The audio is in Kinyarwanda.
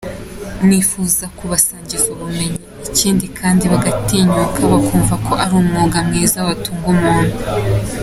Nifuza kubasangiza ubumenyi ikindi kandi bagatinyuka bakumva ko ari umwuga mwiza watunga umuntu.